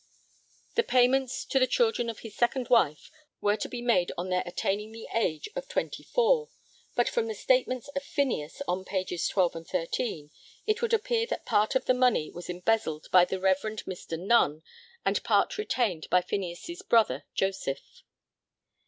The payments to the children of his second wife were to be made on their attaining the age of twenty four, but from the statements of Phineas on pages 12 and 13 it would appear that part of the money was embezzled by the Rev. Mr. Nunn and part retained by Phineas' brother Joseph.